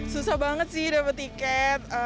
susah banget sih dapet tiket